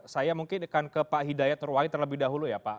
saya mungkin akan ke pak hidayat nur wahid terlebih dahulu ya pak